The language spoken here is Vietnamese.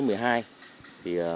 thì mỗi học viên